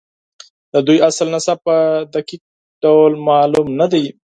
د دوی اصل نسب په دقیق ډول معلوم نه دی.